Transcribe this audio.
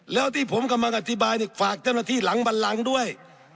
แล้วที่ผมกำลังอธิบายเนี่ยฝากเจ้าหน้าที่หลังบันลังด้วย